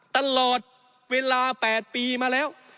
ตลอดเวลา๘ปีมาแล้ว